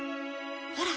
ほら。